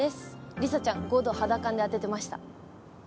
梨紗ちゃん、５度、肌感で当ててました。